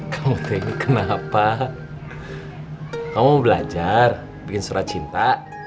kamu teh ini kenapa kamu belajar bikin surat cinta